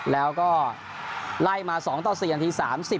แล้วก็ไล่มา๒ต่อเสียงที๓๐